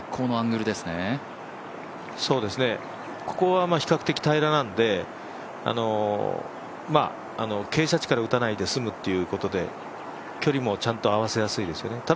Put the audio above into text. ここは比較的平らなので傾斜地から打たないで済むということで距離もちゃんと合わせやすいですよね